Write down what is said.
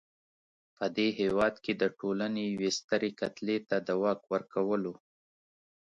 په دې هېواد کې د ټولنې یوې سترې کتلې ته د واک ورکولو.